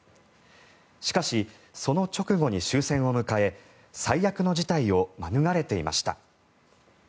しかし、その直後に終戦を迎え最悪の事態を免れていました。